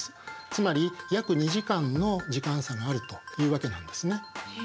つまり約２時間の時間差があるというわけなんですね。